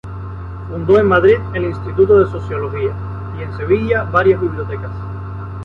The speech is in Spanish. Fundó en Madrid el Instituto de Sociología, y en Sevilla varias bibliotecas.